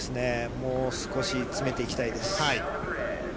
もう少し詰めていきたいです。